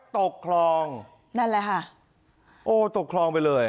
ตกคลองนั่นแหละค่ะโอ้ตกคลองไปเลย